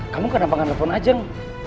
kamu kenapa gak nelfon ajeng